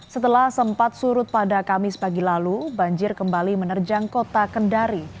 setelah sempat surut pada kamis pagi lalu banjir kembali menerjang kota kendari